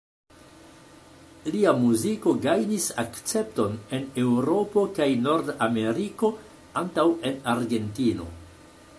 Lia muziko gajnis akcepton en Eŭropo kaj Nord-Ameriko antaŭ en Argentino.